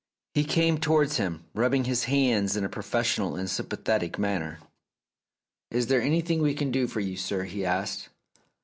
He came towards him, rubbing his hands in a profes sional and sympathetic manner. "Is there anything we can do for you, sir?" he asked.